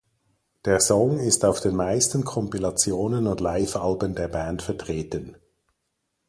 Der Song ist auf den meisten Kompilationen und Livealben der Band vertreten.